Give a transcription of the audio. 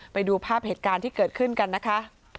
ไปดูภาพเหตุการณ์ที่เกิดขึ้นกันนะคะ